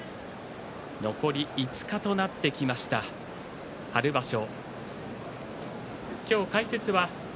残り５日となってきました春場所。